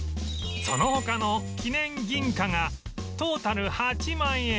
その他の記念銀貨がトータル８万円分